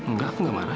nggak aku nggak marah